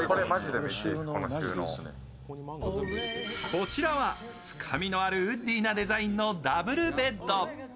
こちらは深みのあるウッディなデザインのダブルベッド。